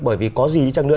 bởi vì có gì chăng nữa